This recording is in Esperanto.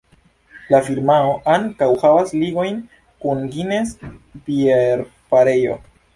La firmao ankaŭ havas ligojn kun Guinness Bierfarejo.